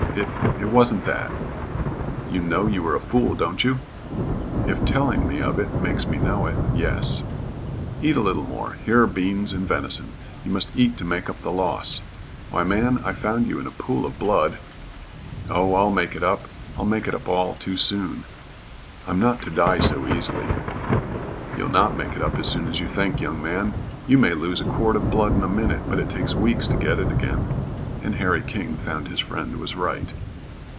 It it wasn't that." "You know you were a fool, don't you?" "If telling me of it makes me know it yes." "Eat a little more. Here are beans and venison. You must eat to make up the loss. Why, man, I found you in a pool of blood." "Oh, I'll make it up. I'll make it up all too soon. I'm not to die so easily." "You'll not make it up as soon as you think, young man. You may lose a quart of blood in a minute, but it takes weeks to get it again," and Harry King found his friend was right.